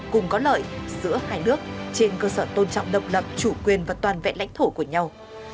cùng có lợi giữa hai nước trên cơ sở tôn trọng độc lập chủ quyền và toàn vẹn lãnh thổ của nhau